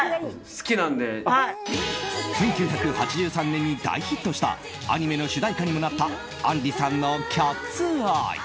１９８３年に大ヒットしたアニメの主題歌にもなった杏里さんの「ＣＡＴ’ＳＥＹＥ」。